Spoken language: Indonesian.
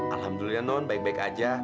alhamdulillah non baik baik aja